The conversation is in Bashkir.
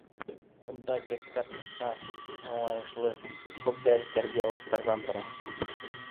Унда текстар ҡыҫҡа, аңлайышлы, күп дәрестәр диалогтарҙан тора.